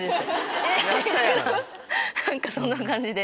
何かそんな感じで。